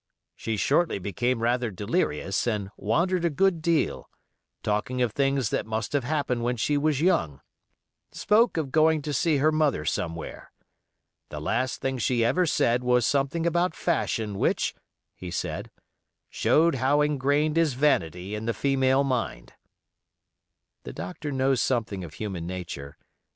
She shortly became rather delirious, and wandered a good deal, talking of things that must have happened when she was young; spoke of going to see her mother somewhere. The last thing she ever said was something about fashion, which," he said, "showed how ingrained is vanity in the female mind." The doctor knows something of human nature.